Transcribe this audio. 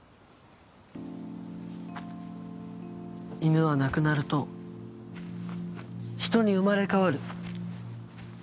犬は亡くなると人に生まれ変わる。